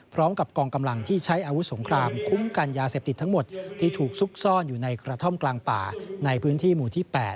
พร้อมกับกองกำลังที่ใช้อาวุธสงครามคุ้มกันยาเสพติดทั้งหมดที่ถูกซุกซ่อนอยู่ในกระท่อมกลางป่าในพื้นที่หมู่ที่๘